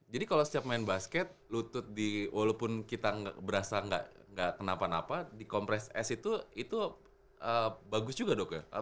jadi kalau setiap main basket lutut di walaupun kita berasa gak kenapa napa di compress ice itu itu bagus juga dok ya